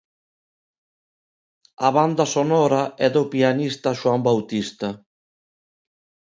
A banda sonora é do pianista Xoán Bautista.